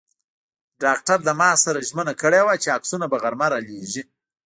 ډاکټر له ما سره ژمنه کړې وه چې عکسونه به غرمه را لېږي.